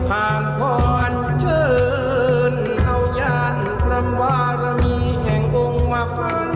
ผ่านผ่อนเชิญเท่ายานปรับวารมีแห่งกงมาฟัง